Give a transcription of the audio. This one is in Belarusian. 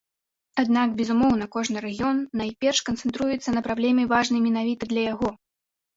Аднак, безумоўна, кожны рэгіён найперш канцэнтруецца на праблеме, важнай менавіта для яго.